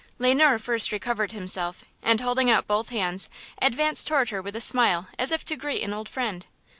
Le Noir first recovered himself, and, holding out both hands, advanced toward her with a smile as if to greet an old friend.